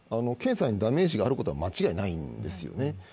経済にダメージがあることは間違いないんですよね。